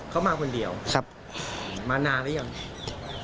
เขามาคนเดียวครับมานานหรือยัง